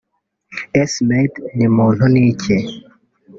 S Made ni muntu niki